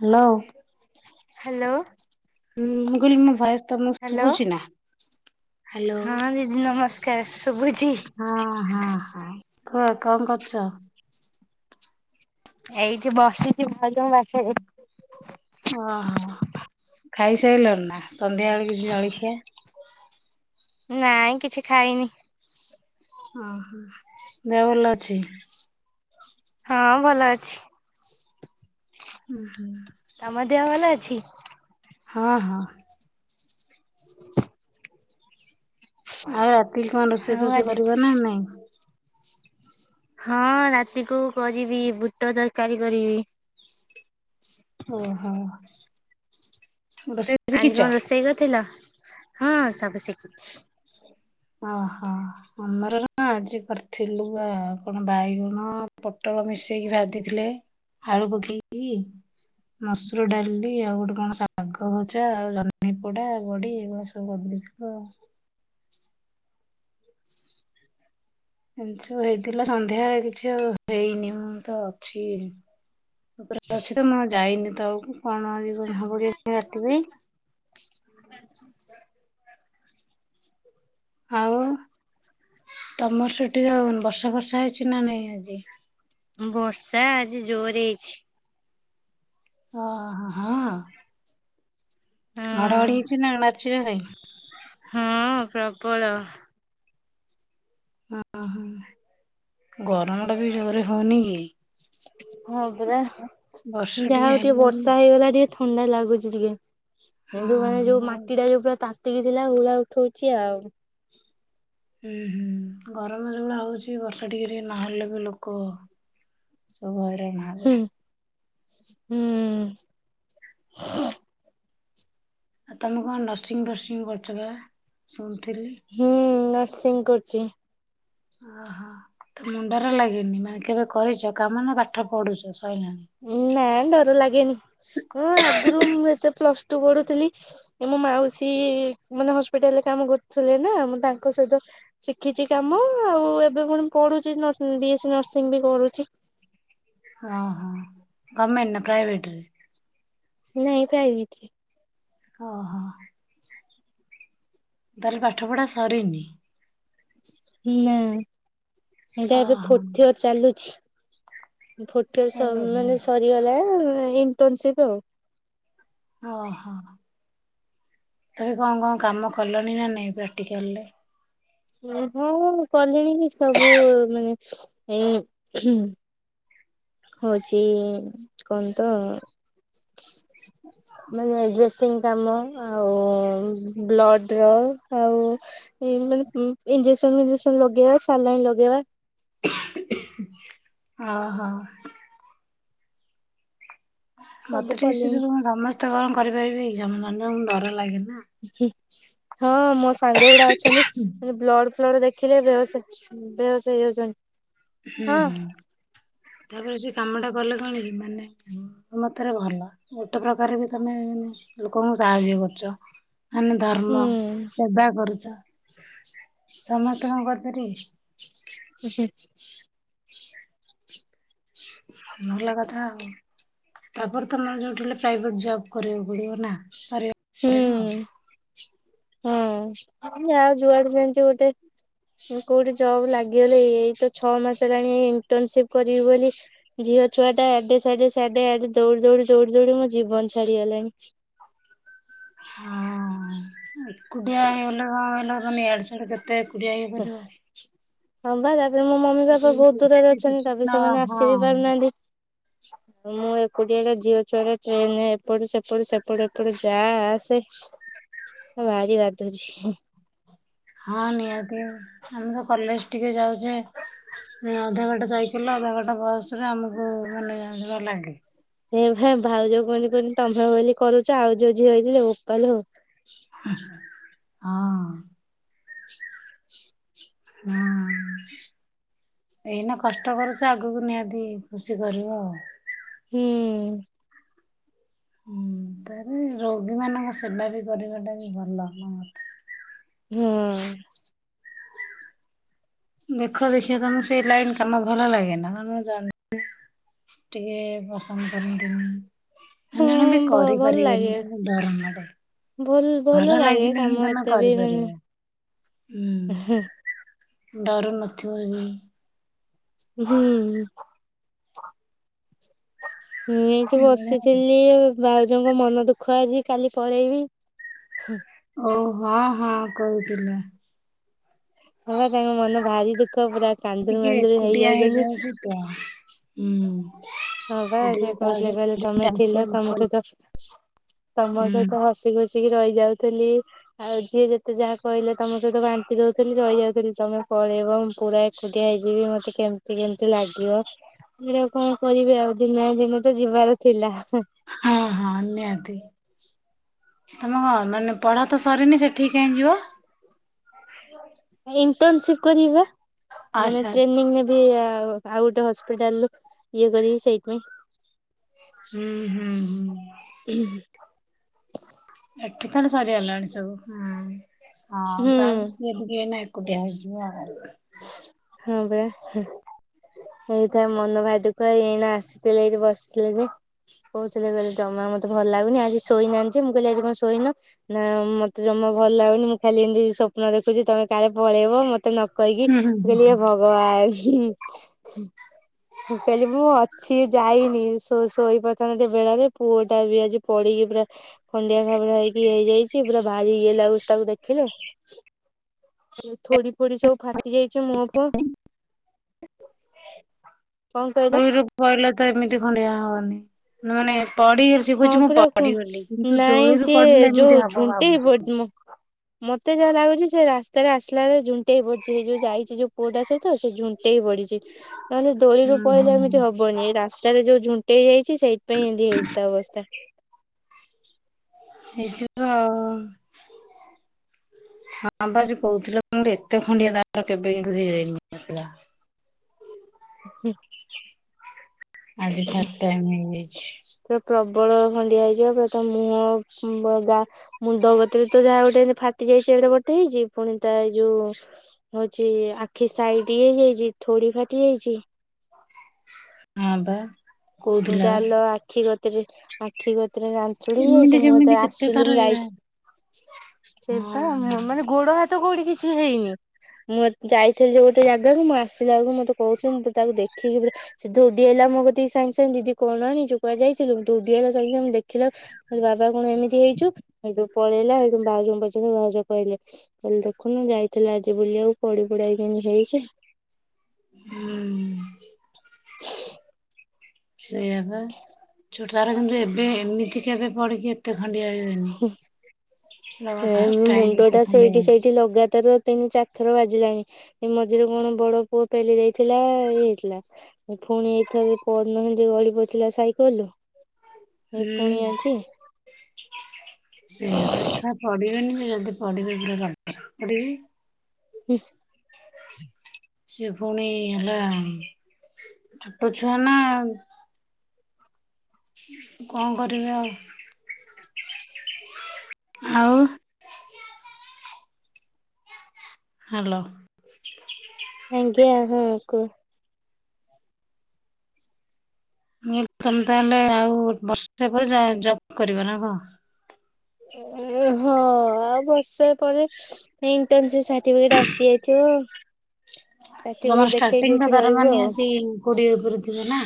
Hello. Hello. ହୁଁ ମୁଁ କହିଲି ମୋ ଭୟସ ତମକୁ ହ୍ୟାଲୋ ଶୁଭୁଚି ନା? ହ୍ୟାଲୋ। ହଁ ଦିଦି ନମସ୍କାର। ଶୁଭୁଚି। ହଁ ହଁ ହଁ କୁହ କଣ କରୁଚ? ଏଇଠି ବସିଚି ଭାଉଜ ଙ୍କ ପାଖରେ। ଓହୋ ଖାଇସାଇଲଣି ନା ସନ୍ଧ୍ୟା ବେଳ କିଛି ଜଳଖିଆ? ନାଇଁ କିଛି ଖାଇନି। ଉଁ ହୁଁ। ଦେହ ଭଲ ଅଛି? ହଁ ଭଲ ଅଛି। ଉହୁଁ। ତମ ଦେହ ଭଲ ଅଛି? ହଁ ହଁ। ଆଉ ରାତି କଣ ରୋଷେଇ ଆଉ ଫୋଷେଇ ଆଜି କରିବ ନା ନାଇଁ? ହଁ ରାତିକୁ କରିବି ବୁଟ ତରକାରୀ କରିବି। ଓହୋ ରୋଷେଇ ଆଜି ଶିଖିଛ? କଣ ରୋଷେଇ କରଥିଲ? ହଁ ସବୁ ଶିଖିଚ। ଓହୋ। ଆମର ନା ଆଜି କରିଥିଲୁ ଆ କଣ ବାଇଗଣ ପୋଟଳ ମିଶେଇକି ଭାଜିିଥିଲେ। ଆଳୁ ପକେଇକି ମସୁର ଡାଲି ଆଉ ଗୋଟେ କଣ ଶାଗ ଗ ଭଜା ଆଉ ଜହ୍ନି ପୋଡା ବଡି ଏ ସବୁ କରିଦାଉଥିଲୁ ଆଉ। ଏ ଯଉ ହେଇଥିଲା ସନ୍ଧ୍ୟା କିଛି ଆଉ ହେଇନି ମୁଁ ତ ଅଛି ତା ଉପରେ ଅଛି ତ ମୁଁ ଯାଇନି ତଳକୁ କଣ ଆଜି ହବ କି ରାତି ପାଇଁ [unintelligible] ଆଉ ତମର ସେଠି ବର୍ଷା ଫର୍ଷା ହେଇଛି ନା ନାଇଁ ଆଜି? ବର୍ଷା ଆଜି ଜୋର ହେଇଛି। ଓହୋ। ହଁ? ଘଡ଼ଘଡ଼ି ହଁ ହେଇଚି ନା ମାରିଚି ଜୋରେ? ହଁ ପ୍ରବଳ। ଓହୋ, ଗରମ ଟା ବି ଜୋରେ ହଉନି କି? ହଁ ପରା ବର୍ଷା ଯାହା ହଉ ଟିକେ ହେଲେ ବି ବର୍ଷା ହେଇଗଲା ଟିକେ ଥଣ୍ଡା ଲାଗୁଛି ଟିକେ। ହଁ କିନ୍ତୁ ମାନେ ଯୋଉ ଆଉ ମାଟି ଟା ଯୋଉ ପୁରା ତାତିକି ଥିଲା ହୁଳା ଉଠଉଚି ଆଉ। ଉଁ ହୁଁ ଗରମ ଯୋଭଳିଆ ହଉଛି ବର୍ଷା ଟିକେ ଟିକେ ନହେଲେ ବି ଲୋକ ସବୁ ହଇରାଣ ହେବେ ହୁଁ, ହୁଁ। ଆଉ ତମେ କଣ ନର୍ସିଂ ଫର୍ସିଂ କରିଚ ପା ଶୁଣିଥିଲି? ହୁଁ ନର୍ସିଂ କରୁଚି। ଓହୋ, ତମକୁ ଡର ଲାଗେନି ମାନେ କେବେ କରିଚ କାମ ନା ପାଠ ପଢୁଚ, ସଇଲାଣି? ନା ଡର ଲାଗେନି। ମୁଁ ଆଗରୁ ମୁଁ ଯେତେ ପ୍ଲସ ଟୁ ପଢୁଥିଲି ମୋ ମାଉସୀ ମାନେ ହସ୍ପିଟାଲରେ କାମ କରୁଥିଲେ ନା ମୁ ତାଙ୍କ ସହିତ ଶିଖିଛି କାମ। ଆଉ ଏବେ ପୁଣି ପଢୁଚି ନର ବି ଏସ୍ ସି ନର୍ସିଂ ବି କରୁଚି। ଓହୋ ଗମେଣ୍ଟ ନା ପ୍ରାଇଭେଟରେ? ନାଇଁ ପ୍ରାଇଭେଟରେ। ଓହୋ। ତାହେଲେ ପାଠ ପଢା ସରିନି? ନା। ଏଇଟା ଏବେ ଓହୋ ଫୋର୍ଥ ଇଅର ଚାଲୁଛି। ଫୋର୍ଥ ଇଅର୍ ସଇଲେ ଓହୋ ମାନେ ସରି ଗଲା ଆଉ ଇଣ୍ଟର୍ନସିପ ଆଉ ଓହୋ, ତମେ କଣ କଣ କାମ କଲଣି ନା ନାଇ ପ୍ରାକ୍ଟିକାଲରେ? ହଁ ମୁଁ କଲିଣି ଯେ ସବୁ ମାନେ ଏ ହଉଚି କଣ ତ ମାନେ ଡ୍ରେସିଂ କାମ ଆଉ ବ୍ଲଡ ର ଆଉ ଏଇ ମାନେ ଇଞ୍ଜେକ୍ସନ ଫିଞଜେକ୍ସନ ଲଗେଇବା, ସାଲାଇନ୍ ଲଗେଇବା। ଓହୋ। ସବୁ ମତେ ଟିକେ ସେ କଲିଣି ସବୁ କଣ ସମସ୍ତେ କଣ କରିପାରିବେ କି, ସମ ମାନେ ଡର ଲାଗେ ନା। ହଁ ମୋ ସାଙ୍ଗ ଗୁଡା ଅଛନ୍ତି। ବ୍ଲଡ ଫ୍ଲଡ ଦେଖ ଦେଖି ଦେବେ ସେ ବେହୋସ୍ ହେଇଯାଉଛନ୍ତି। ହୁଁ ହଁ ହୁଁ, ତାପରେ ସେ କାମ ଟା କଲେ କଣ କି ମାନେ ମୋ ମତରେ ଭଲ। ଗୋଟେ ପ୍ରକାର ବି ତମେ ଲୋକଙ୍କୁ ସାହାଯ୍ୟ କରୁଚ। ମାନେ କର୍ମ ହୁଁ ସେବା କରୁଚ। ସମସ୍ତେ କଣ କରିପାରିବେ କି? ହୁ [unintelligible] ଭଲ କଥା ଆଉ। ତାପରେ ତମର ଯୋଉଠି ହେଲେ ପ୍ରାଇଭେଟ ଜବ୍ କରିବାକୁ ପଡିବ, ନା? ତାପରେ ହୁଁ ହଁ ଆଉ ଯୁଆଡେ ଯେମିତି ଗୋଟେ କୋଉଠି ଜବ୍ ଲାଗିଗଲେ, ଏଇତ ଛଅ ମାସ ହେଲାଣି ଇଣ୍ଟର୍ନସିପ କରିବି ବୋଲି ଝିଅ ଛୁଆଟା ଆଡେ ସାଡେ ସାଡେ ଆଡେ ଦୌଡି ଦୌଡି ଦୌଡି ଦୌଡି ମୋ ଜୀବନ ଛାଡିଗଲାଣି। [unintelligible] ହଁ ଏକୁଟିଆ ହେଇଗଲେ କଣ କହିଲ ମାନେ ଇଆଡୁ ସିଆଡ଼ୁ ଯେତେ ଏକୁଟିଆ ହେଇପାରିବ। ହଁ ପା ଯା ମୋ ମମି ବାପା ବହୁତ ଦୂରରେ ଅଛନ୍ତି ତାପରେ ହଁ ସେମାନେ ଆସି ହଁ ବି ପାରୁନାହାନ୍ତି। ମୁଁ ଏକୁଟିଆଟା ଝିଅ ଛୁଆଟା ଟ୍ରେନ ରେ ଏପଟ ସେପଟ ସେପଟ ଏପଟେ ଯା ଆସେ ଭାରି ବାଧୁଚି। ହଁ ନିହାତି ଆମେ ତ କଲେଜ ଟିକେ ଯାଉଚେ ଅଧା ବାଟ ସାଇକେଲ ରେ ଅଧା ବାଟ ବସ ରେ ଆମକୁ ମାନେ ଯାହା ଲାଗେ। ଏଇ ପା ଭାଉଜ କୁହନ୍ତି କୁହନ୍ତି ତମେ ବୋଲି କରୁଚ ଆଉ ଯୋଉ ଝିଅ ହେଇଥିଲେ ବୋପାଲୋ। ହଁ। ହୁଁ। ଏଇନା କଷ୍ଟ କରୁଚ ଆଗକୁ ନିହାତି ଖୁସି କରିବ ଆଉ ହୁଁ। ହୁଁ ତାରେ ରୋଗୀ ମାନଙ୍କ ସେବା ବି କରିବାଟା ବି ଭଲ ହ। ହୁଁ। ଦେଖ ଦେଖିଆ ତମେ ସେଇ ଲାଇନ୍ କାମ ଭଲ ଲାଗେ ନାଁ [unintelligible] ଟିକେ ପସନ୍ଦ କରନ୍ତିନି। ଜନ ହଁ ଜଣ ବି ଭ ଭଲ କରିପାରିବେନି ଲାଗେ। ତାଙ୍କୁ ଡର ମାଡ଼େ। ଭଲ ଲାଗେ ଲାଗିଲେ କାମ ହିଁ ତମେ ଏତେ ବି ମାନେ କରିପାରିବ ହୁଁ ଡରୁ ନଥିବ ବି ହୁଁ। ମୁଁ ଏଇଠି ଏଇଭଳିଆ ଆଉ। ବସିଥିଲି ଆଉ। ଭାଉଜଙ୍କ ମନ ଦୁଃଖ ଆଜି କାଲି ପଳେଇବି। ଓ ହଁ ହଁ କହୁଥିଲେ। ହଁ ପା ତାଙ୍କ ମନ ଭାରି ଦୁଃଖ ପୁରା ସେ କାନ୍ଦୁରୁ ଟିକେ ମାନ୍ଦୁରୁ ଏକୁଟିଆ ହେଇଯାଉଛନ୍ତି। ହେଇଯାଉଛି ହୁଁ। ହଁ ପା ସେ ଟିକେ ତା କହୁଥିଲେ କହିଲେ ସହିତ ତମେ ଟାଇମ୍ ଥିଲ ସ୍ପେଣ୍ଡ ତମ କରି ସହିତ ତମ ହୁଁ ସହିତ ହସି ଖୁସିିକି ରହି ଯାଉଥିଲି ଆଉ ଯିଏ ଯେତେ ଯାହା କହିଲେ ତମ ସହିତ ବାନ୍ତି ଦଉଥିଲି ରହିଯାଉଥିଲି। ତମେ ପଳେଇବ ମୁଁ ପୁରା ଏକୁଟିିଆ ହେଇଯିବି ମତେ କେମିତି କେମତି ଲାଗିବ। କଣ କରିବେ ଆଉ ଦିନେ ନା ଦିନେ ତ ଯିବାର ଥିଲା। ହଁ ହଁ ନିହାତି। ତମ କଁ ମାନେ ପଢା ତ ସରିନି ସେ ଠିକ କାଇଁ ଯିବ? [inaudible] ଇଣ୍ଟସିପ କରିବି ବା ମାନେ ଆଚ୍ଛା ଆଚ୍ଛା। ଟ୍ରେନିଂ ନେବି। ଆଉ ଗୋଟେ ହସ୍ପିଟାଲୁ ଇଏ କରିବି ସେଇଥିପାଇଁ। ହୁଁ ହୁଁ ହୁଁ [inaudible] ଏଠି ତାହେଲେ ସରିଗଲାଣି ସବୁ ହୁଁ ହଁ। ହୁଁ ତାହେଲେ ସିଏ ଟିକେ ଏଇନା ଏକୁଟିଆ ହେଇଯିବେ [unintelligible] ହଁ ପା। ଏଇଥା ମନ ଭାରି ଦୁଖ ଏଇନା ଆସିଥିଲେ ଏଇଠି ବସିଥିଲେ ବି। କହୁଥିଲେ ବଲେ ଜମା ମତେ ଭଲ ଲାଗୁନି। ଆଜି ଶୋଇନାହାନ୍ତି ଜେ ମୁଁ କିଲି ଆଜି କଣ ଶୋଇନ? ନା ମତେ ଜମା ଭଲ ଲାଗୁନି ମୁଁ ଖାଲି ଏମିତି ସ୍ୱପ୍ନ ଦେଖୁଚି ତମେ କାଳେ ପଳେଇବ ମତେ ମତେ ନ କହିକି। ହୁଁ ହୁଁ ମୁ ହୁଁ କହିଲି ହୁଁ। ଏ ଭଗବାନ। ମୁଁ କହିଲି ମୁଁ ଅଛି ଯାଇନି। ଶୋ ଶୋଇପଡିଥାନ୍ତି ଟିକେ ବେଳରେ ପୁଅ ଟା ବି ଆଜି ପଢିକି ପୁରା ଖଣ୍ଡିଆ ଖାବଡ଼ା ହେଇକି ଇଏ ହେଇଯାଇଚି ପୁରା ଭାରି ଇଏ ଲାଗୁଚି ତାକୁ ଦେଖିଲେ। ଥୋଡି ଫୋଡି ସବୁ ଫାଟି ଯାଇଚି ମୁହଁ ଫୁହଁ। [unintelligible] କଣ କହିଲ ପହିଲା ତ ଏମିତି ଖଣ୍ଡିଆ ହବନି ମାନେ ପଡିଗ ହଁ ପୁରା କୁହ ନାଇଁ ସିଏ ପଡିଲେ ଏମିତି ଯୋଉ ହବ ଝୁଣ୍ଟେଇ ଭାବୁଛି। ପଡ୍ ମୋ ମତେ ଯାହା ଲାଗୁଚି ସେ ରାସ୍ତାରେ ଆସ୍ଲାଳେ ଝୁଣ୍ଟେଇ ହେଇ ପଡ୍ଚି ସେଇ ଯୋଉ ଯାଇଛି ଯୋଉ ପୁଅଟା ସହିତ ସେ ଝୁଣ୍ ଟେଇ ପଡିଚି ନହେଲେ ଦୋଳିରୁ ହୁଁ ପହିଲେ ଏମିତି ହୁଁ। ହବନି ରାସ୍ତାରେ ଯୋଉ ଝୁଣ୍ଟେଇ ହେଇଛି ସେଇ ପାଇଁ ଏନ୍ତି ହେଇଚି ତା ଅବସ୍ଥା। ଏଇଥର ହଁ ବା ଆଜି କହୁଥିଲେ ଏତେ ଖଣ୍ଡିଆ କାହାର କେବେ ହୋଇନଥିଲା। ହୁଁ। ଆଜି ଫାଷ୍ଟ୍ ଟାଇମ୍ ଏଇଁ ହେଇଛି। ପୁରା ପ୍ରବଳ ଖଣ୍ଡିଆ ହେଇଯିବ ପୁର ତା ମୁହଁ ବ ଗା ମୁଣ୍ଡ ଗତିରେ ତ ଯାହା ଗୋଟେ ଫାଟି ଯାଇଚି ଏଡେ ବଡଟେ ହେଇଚି ପୁଣି ତା ଏଇ ଯୋଉ ହୋଉଚି ଆଖି ସାଇଟି ଇଏ ହେଇଯାଇଚି ଥୋଡି ଫାଟି ଯାଇଚି। ହଁ ବାସ୍ ଗାଲ ଆଖି ଗତିରେ ଆଖି ଗତିରେ ରାମ୍ ଚୁଡି ଏମିତି ହେଇଯାଇଚି ମୁଁ କେମିତି ଯା କେତେ ଆସଲି ତାର ମୁଁ ଇଏ ଯାଇଥିଲି ହଁ ସେଇପା ମୁଁ ମାନେ ଗୋଡ ହାତ୍ ତ କୋଉଠି କିଛି ହେଇନି। ମୁଁ ଯାଇଥିଲି ଯେ ଗୋଟେ ଜାଗାକୁ ମୁଁ ଆସିଲା ବେଳକୁ ମତେ କହୁଥିଲି ତାକୁ ଦେଖିକି ପୁରା ସେ ଧୌଡି ଆଇଲା ମୋ କତିକି ସାଙ୍ଗ୍ ସାଙ୍ଗ୍ ଦିଦି କଣ ଆଣିଚୁ କୁଆ ଯାଇଥିଲୁ ଦୌଡି ଆଇଲା ସାଙ୍ଗ୍ ସାଙ୍ଗେ ମୁଁ ଦେଖ୍ ଦେଖିଲା ମୁଁ କଇଲି ବାବା କଂ ଏମିତି ହେଇଚୁ ସେଇଠୁ ପଳେଇଲା ସେଇଠୁ ଭାଉଜଙ୍କୁ ପଚାର୍ଲି ଭାଉଜ କହିଲେ। କହିଲେ ଦେଖୁନୁ ଯାଇଥିଲା ଆଜି ବୁଲିବାକୁ ପଡି ପୁଡାକି କେମତି ହେଇଚି। ହୁଁ। [inaudible] ସେଇଆ ପା ଚୁ ତାର କିନ୍ତୁ ଏବେ ଏମିତି କି ଏବେ ପଡିକି ଏତେ ଖଣ୍ଡିଆ ହେଇନି। ହୁଁ ଏଇଟା ମୋର ଏ ଫାଷ୍ଟ ଟାଇମ୍ ମୁଣ୍ଡ ଏତେ ଟା ଖଣ୍ଡିଆ ସେଇଠି ହେଇଛି। ସେଇଠି ଲଗାତାର ତିନି ଚାର୍ଥର ବାଜିଲାଣି ଏ ମଝିରେ କଣ ବଡ ପୁଅ ପେଲି ଦେଇଥିଲା ଇଏ ହେଇଥିଲା। ଏ ପୁଣି ଏଇଥର ପଡୁନାହାନ୍ତି ଗଳି ପଡିଥିଲା ସାଇକେଲ୍ରୁ ଏ ପୁଣି ଆଜି। ସେୟାପା ଛୁଆ ପଢିବେନି ଯଦି ପଢିବି ପୁରା ପଢିବି। [unintelligible] ସିଏ ପୁଣି ହେଲା ଛୋଟ ଛୁଆ ନା। କଂ କରିବେ ଆଉ। ହଉ ହାଲୋ। ଆଙ୍ଗିଆ ହଁ କୁହ। ତମେ ତାହେଲେ ଆଉ ବର୍ଷେ ପରେ ଜବ କରିବ ନା କଂ। ଉଁ ହଁ ଆଉ ବର୍ଷେ ପରେ ଇଣ୍ଟର୍ନସିପ୍ ସାର୍ଟିଫିକେଟ୍ ଆସିଯାଇଥିବ। ତମର ସାର୍ଟିଫିକେଟ ଦେଖେଇ ଷ୍ଟାର୍ଟିଂ ଯୋଉଠି ତ ରହିବୁ ଧରମା ଆଉ ନିଅନ୍ତି କୋଡିଏ ଉପରେ ଥିବେ ନା।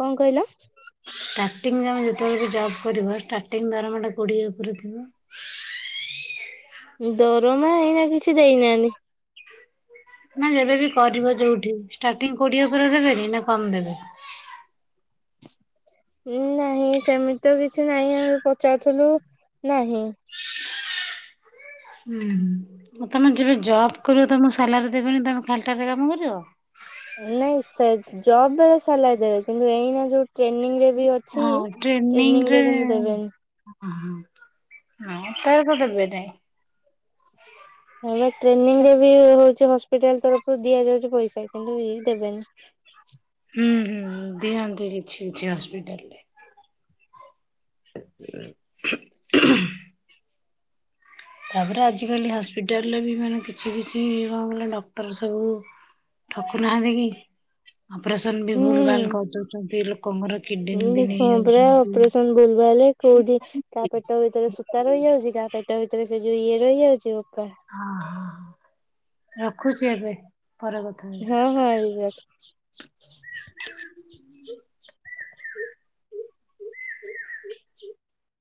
କଂ କଇଲ। ଷ୍ଟାର୍ଟିମେ ଯେତେବେଳକୁ ଜବ୍ କରିବା ଷ୍ଟାର୍ଟିଙ୍ଗ ଦରମାଟା କୋଡିଏ ଉପରେ ଥିବ। ଦରମା ଏଇନା କିଛି ଦେଇନାହାନ୍ତି। ନା ଯେବେବି କରିବ ଯୋଉଠି ଷ୍ଟାର୍ଟିଂ କୋଡିଏ ପରେ ଦେବେନି ନା କମ୍ ଦେବେ। ନାହିଁ ସେମିତି ତ କିଛି ନାହିଁ ଆମେ ପଚାର୍ଥିଲୁ ନାହିଁ। ହୁଁ ତମେ ଯେବେ ଜବ୍ କରିବ ତମକୁ ସାଲାରୀ ଦେବନି ତମେ ଖାଲ୍ଟାରେ କାମ କରିବ। ନାଇଁ ସେ ଜବ୍ ବେଳେ ସଲାଇ ଦେବେ କିନ୍ତୁ ଏଇନା ଯୋଉ ଟ୍ରେନିଂ ରେ ବି ଅଛି ହଁ ଟ୍ରେନିଂ ଟ୍ରେନିଂରେ ରେ କିନ୍ତୁ ଦେବେନି। ହଁ, ହଁ, ତାର ତ ଦେବେ ନାଇଁ! ହଁ ବା, ଟ୍ରେନିଂ ରେ ବି ହଉଛି ହସ୍ପିଟାଲ୍ ତରଫରୁ ଦିଆଯାଉଛି ପଇସା। କିନ୍ତୁ ଇଏ ଦେବେନି। ହୁଁ, ହୁଁ, ହୁଁ ଦିଅନ୍ତି କିଛି କିଛି ହସ୍ପିଟାଲ୍ ରେ। [inaudible] ତା'ପରେ ଆଜିକାଲି ହସ୍ପିଟାଲରେ ବି ମାନେ କିଛି କିଛି କଣ କଇଲ, ଡକ୍ଟର ସବୁ ଠକୁ ନାହାଁନ୍ତି କି? ଅପରେସନ୍ ବି ଭୁଲ ଭାଲ ହୁଁ। କରିଦଉଚନ୍ତି, ଲୋ କମର କିଡନୀ ବି ନେଇଯାଉଚନ୍ତି। ଭୁଲ୍ ଭାଲେ କୋଉଠି କା, ପେଟ ଭିତରେ ସୂତା ହଁ ରହିଯାଉଛି, କା ପେଟ ଭିତରେ ସେ ଯଉ ଇଏ ରହିଯାଉଛି, ବୋପା! ହଁ, ହଁ, ହଁ ରଖୁଛି ଏବେ, ପରେକଥ୍ ହଁ, ହଁ, ଏଇ [unintelligible] ହ ହ